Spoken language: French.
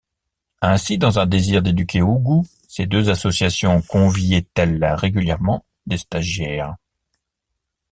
Ainsi dans un désir d’éduquer au goût, ces deux associations conviaient-elles régulièrement des stagiaires.